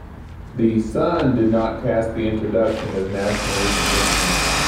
The "Sun" did not cast the introduction as nationally significant.